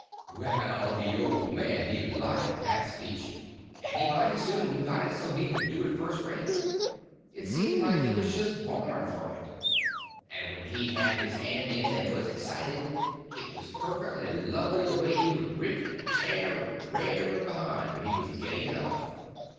Well, the old man he liked that speech, and he mighty soon got it so he could do it first rate. It seemed like he was just born for it; and when he had his hand in and was excited, it was perfectly lovely the way he would rip and tear and rair up behind when he was getting it off.